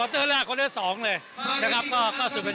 สองเลยนะครับก็สุดเป็นอย่างนะครับก็ขอโทษด้วยจริง